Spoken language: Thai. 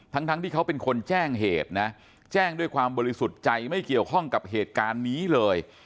ทั้งทั้งที่เขาเป็นคนแจ้งเหตุนะแจ้งด้วยความบริสุทธิ์ใจไม่เกี่ยวข้องกับเหตุการณ์นี้เลย